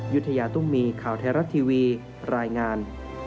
ยุธยาตุ้มมีข่าวไทยรัฐทีวีรายงาน